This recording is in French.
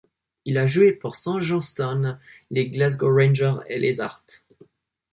Il a joué pour Saint Johnstone, les Glasgow Rangers et les Hearts.